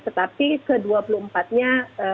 tetapi ke dua puluh empat nya